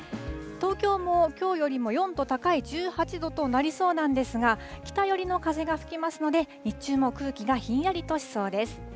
東京もきょうよりも４度高い１８度となりそうなんですが、北寄りの風が吹きますので、日中も空気がひんやりとしそうです。